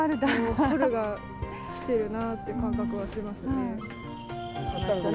春が来てるなって感覚はしますね。